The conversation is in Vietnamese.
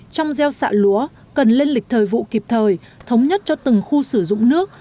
trong gieo xạ lúa cần lên lịch thời vụ kịp thời thống nhất cho từng khu sử dụng nước